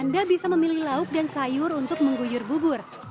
anda bisa memilih lauk dan sayur untuk mengguyur bubur